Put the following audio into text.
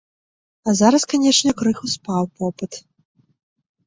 А зараз, канечне, крыху спаў попыт.